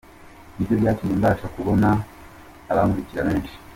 Ni byo byatumye mbasha kubona abankurikira benshi.